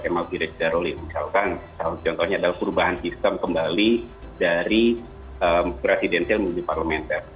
emau viroli misalkan contohnya adalah perubahan sistem kembali dari presidensial menuju parlementer